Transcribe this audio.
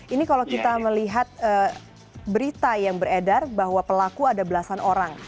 ini kalau kita melihat berita yang beredar bahwa pelaku ada belasan orang